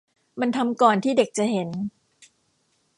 มันทำก่อนที่เด็กจะเห็น